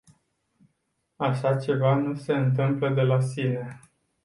Așa ceva nu se întâmplă de la sine.